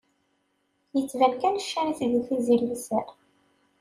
Ittban kan ccan-is di tizi n liser.